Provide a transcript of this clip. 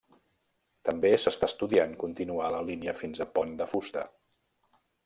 També, s'està estudiant continuar la línia fins a Pont de Fusta.